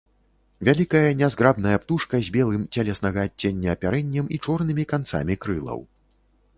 Вялікая, нязграбная птушка, з белым цялеснага адцення апярэннем і чорнымі канцамі крылаў.